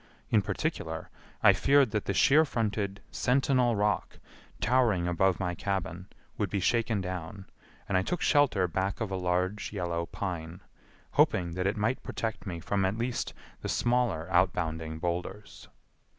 In particular, I feared that the sheer fronted Sentinel Rock, towering above my cabin, would be shaken down, and I took shelter back of a large yellow pine, hoping that it might protect me from at least the smaller outbounding boulders.